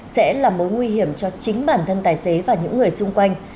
sẽ là mối nguy hiểm cho chính bản thân tài xế và những người xung quanh